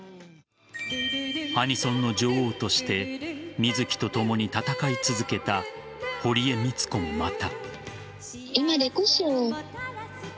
アニソンの女王として水木とともに戦い続けた堀江美都子も、また。